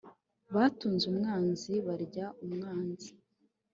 batunze umwanzi barya umwanzi